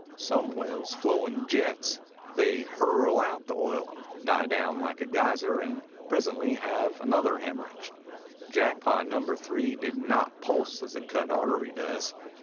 Some wells flow in jets. They hurl out oil, die down like a geyser, and presently have another hemorrhage. Jackpot Number Three did not pulse as a cut artery does.